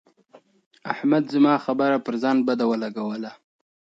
احمد زما خبره پر ځان بده ولګوله.